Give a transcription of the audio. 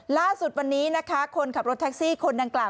ล่าสุดวันนี้นะคะคนขับรถแท็กซี่คนดังกล่าว